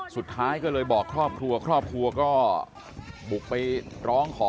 สุดท้ายก็เลยบอกครอบครัวครอบครัวก็บุกไปร้องขอ